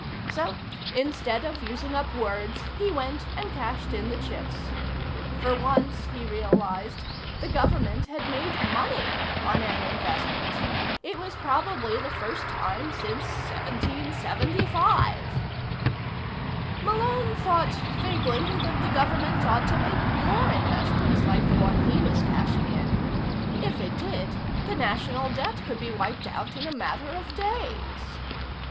So, instead of using up words, he went and cashed in the chips. For once, he realized, the Government had made money on an investment. It was probably the first time since 1775. Malone thought vaguely that the government ought to make more investments like the one he was cashing in. If it did, the National Debt could be wiped out in a matter of days.